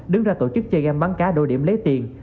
đứng ra tổ chức chơi game bắn cá đội điểm lấy tiền